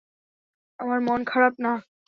আমার মন খারাপ না।